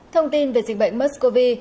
thông tin về dịch bệnh muscovy